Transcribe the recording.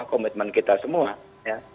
komitmen kita semua ya